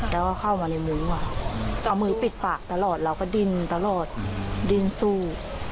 แล้วก็เข้ามาในมุ้งเอามือปิดปากตลอดเราก็ดินตลอดดินสู้